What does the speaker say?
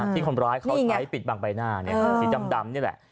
ที่คนร้ายเขาใช้ปิดบางใบหน้าสีดำนี่แหละ